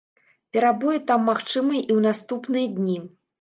Перабоі там магчымыя і ў наступныя дні.